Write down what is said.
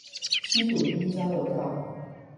七堵一交流道